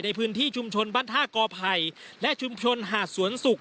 ในพื้นที่ชุมชนบรรท่ากอภัยและชุมชนหาดสวนสุก